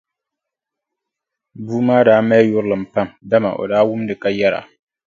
Bua maa daa mali yurilim pam dama o daa wumdi ka yɛra.